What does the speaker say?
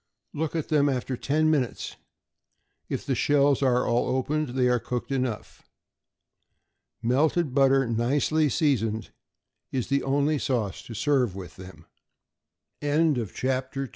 Look at them after ten minutes. If the shells are all opened, they are cooked enough. Melted butter, nicely seasoned, is the only sauce to serve with them. CLAMS. =Li